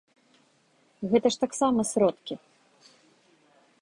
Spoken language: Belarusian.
Гэта ж таксама сродкі!